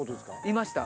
いました。